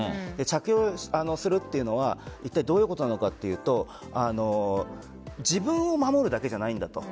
着用するというのはどういうことなのかというと自分を守るだけじゃないんだと。